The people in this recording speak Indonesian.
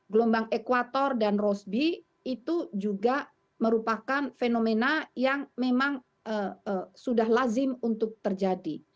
gelombang ekwator dan rosby itu juga merupakan fenomena yang memang sudah lazim untuk terjadi